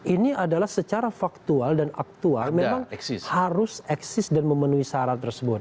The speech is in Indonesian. ini adalah secara faktual dan aktual memang harus eksis dan memenuhi syarat tersebut